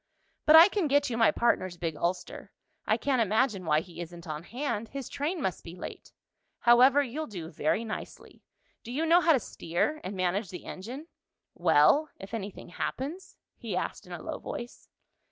"But I can get you my partner's big ulster. I can't imagine why he isn't on hand. His train must be late. However, you'll do very nicely. Do you know how to steer, and manage the engine well, if anything happens?" he asked in a low voice.